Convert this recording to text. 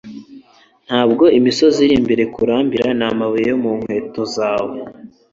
Ntabwo imisozi iri imbere kuzamuka ikurambira; ni amabuye yo mu nkweto zawe.